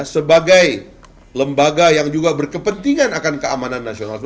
sebagai lembaga yang juga berkepentingan akan keamanan nasional